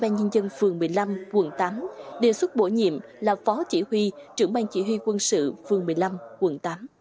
ủy ban nhân dân phường một mươi năm quận tám đề xuất bổ nhiệm là phó chỉ huy trưởng ban chỉ huy quân sự phường một mươi năm quận tám